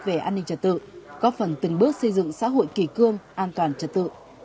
về an ninh trật tự góp phần từng bước xây dựng xã hội kỳ cương an toàn trật tự